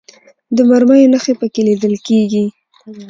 د مرمیو نښې په کې لیدل کېږي.